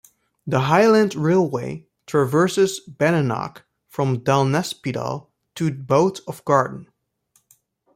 The Highland railway traverses Badenoch from Dalnaspidal to Boat of Garten.